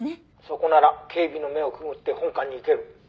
「そこなら警備の目をくぐって本館に行ける」